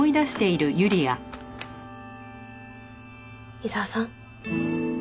伊沢さん？